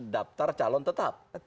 daftar calon tetap